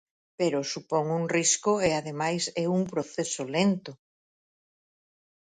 Pero supón un risco e ademais é un proceso lento.